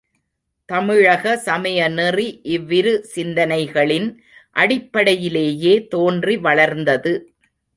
தமிழக சமய நெறி இவ்விரு சிந்தனைகளின் அடிப்படையிலேயே தோன்றி வளர்ந்தது.